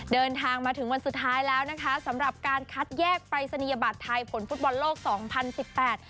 เดินทางมาถึงวันสุดท้ายแล้วนะคะสำหรับการคัดแยกปรายศนียบัตรไทยผลฟุตบอลโลกสองพันสิบแปด